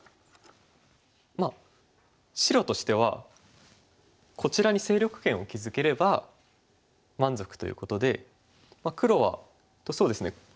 まあ白としてはこちらに勢力圏を築ければ満足ということで黒はそうですね